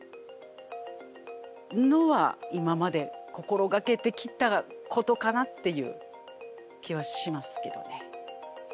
のは今まで心がけてきたことかなっていう気はしますけどね。